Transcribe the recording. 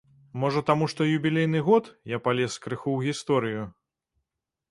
Можа, таму што юбілейны год, я палез крыху ў гісторыю.